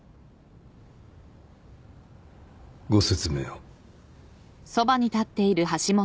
ご説明を。